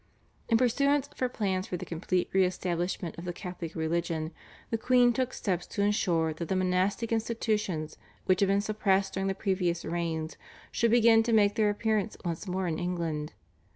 In pursuance of her plans for the complete re establishment of the Catholic religion the queen took steps to ensure that the monastic institutions, which had been suppressed during the previous reigns, should begin to make their appearance once more in England.